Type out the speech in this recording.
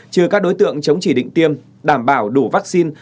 trừ các đối tượng chống chỉ định tiêm đảm bảo đủ vaccine